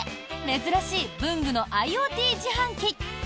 珍しい、文具のＩｏｔ自販機。